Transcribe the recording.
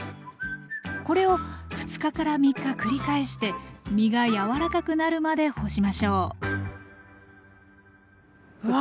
これを２日から３日繰り返して実が柔らかくなるまで干しましょううわ